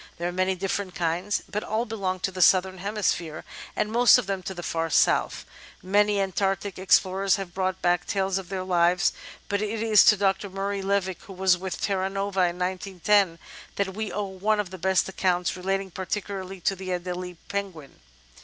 There are many different kinds, but all belong to the Southern Hemisphere, and most of them to the far south. Many Antartic explorers have brought back tales of their life, but it is to Dr. Murray Levick, who was with the Terra Nova in 1910, that we owe one of the best accounts, relating particu larly to the Adelie Penguin.